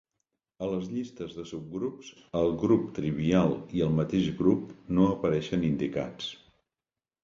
A les llistes de subgrups, el grup trivial i el mateix grup no apareixen indicats.